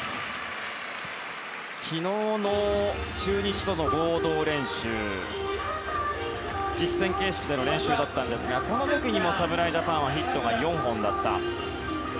昨日の中日との合同練習実戦形式での練習だったんですがこの時にも侍ジャパンはヒットが４本だった。